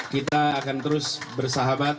kita akan terus bersahabat